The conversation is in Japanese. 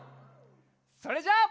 それじゃあ。